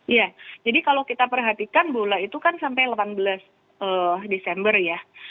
iya jadi kalau kita perhatikan bola itu kan sampai delapan belas desember ya